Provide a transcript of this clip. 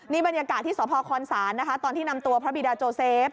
นี่บรรยากาศที่สพคศนะคะตอนที่นำตัวพระบิดาโจเซฟ